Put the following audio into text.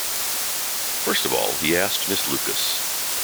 First of all, he asked Miss Lucas.